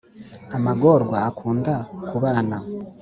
amagorwa akunda kubana